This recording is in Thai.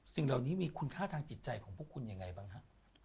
สิ่งเหล่านี้มีคุณค่าทางจิตใจของพวกคุณยังไงบ้างฮะ